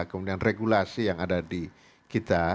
kemudian regulasi yang ada di kita